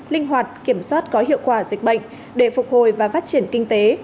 linh hoạt kiểm soát có hiệu quả dịch bệnh để phục hồi và phát triển kinh tế